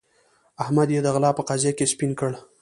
احمد يې د غلا په قضيه کې سپين کړ.